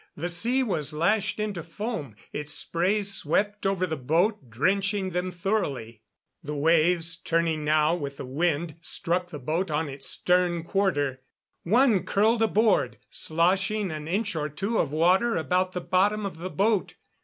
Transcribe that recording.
The sea was lashed into foam; its spray swept over the boat, drenching them thoroughly. The waves, turning now with the wind, struck the boat on its stern quarter. One curled aboard, sloshing an inch or two of water about the bottom of the boat.